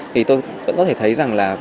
thì tôi vẫn có thể thấy rằng là